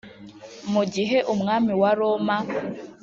Mu gihe Umwami wa Roma